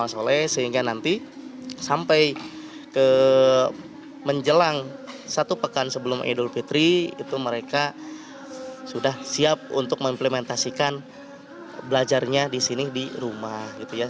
sehingga nanti sampai menjelang satu pekan sebelum idul fitri itu mereka sudah siap untuk mengimplementasikan belajarnya di sini di rumah gitu ya